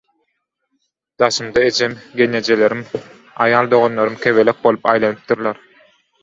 Daşymda ejem, gelnejelerim, aýal doganlarym kebelek bolup aýlanypdyrlar.